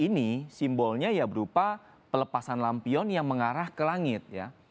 ini simbolnya ya berupa pelepasan lampion yang mengarah ke langit ya